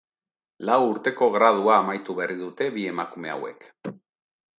Lau urteko gradua amaitu berri dute bi emakume hauek.